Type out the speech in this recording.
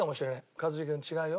「一茂君違うよ。